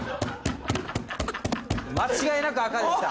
間違いなく赤でした。